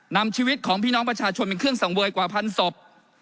นำชีวิตของพี่น้องประชาชนเป็นเครื่องสังเวยกว่าพันศพ